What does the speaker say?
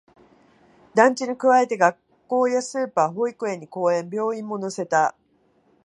団地に加えて、学校やスーパー、保育園に公園、病院も乗せた